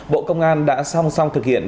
bộ công an đã song song thực hiện